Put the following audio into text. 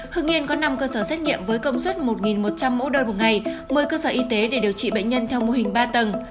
hưng yên có năm cơ sở xét nghiệm với công suất một một trăm linh mẫu đơn một ngày một mươi cơ sở y tế để điều trị bệnh nhân theo mô hình ba tầng